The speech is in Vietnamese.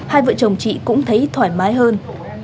hai vợ chồng chị cũng thấy thoải mái hơn